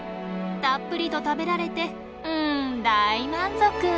たっぷりと食べられてうん大満足。